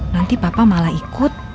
nanti papa malah ikut